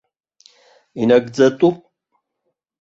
Инагӡатәуп.